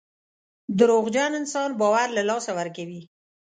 دروغجن انسان باور له لاسه ورکوي.